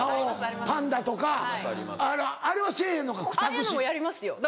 ああいうのもやりますよ。